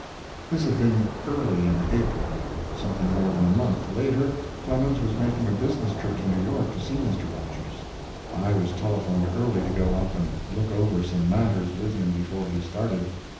This had been early in April. Something more than a month later Clemens was making a business trip to New York to see Mr. Rogers. I was telephoned early to go up and look over some matters with him before he started.